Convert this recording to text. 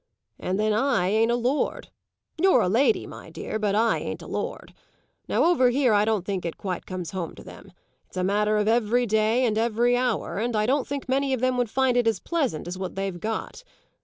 And then I ain't a lord; you're a lady, my dear, but I ain't a lord. Now over here I don't think it quite comes home to them. It's a matter of every day and every hour, and I don't think many of them would find it as pleasant as what they've got.